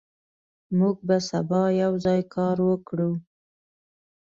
موږ به سبا یوځای کار وکړو.